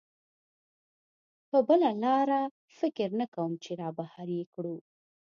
په بله لاره فکر نه کوم چې را بهر یې کړو.